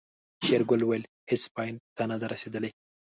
شېرګل وويل هيڅ پای ته نه دي رسېدلي.